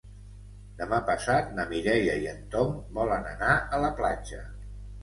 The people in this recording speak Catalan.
Demà passat na Mireia i en Tom volen anar a la platja.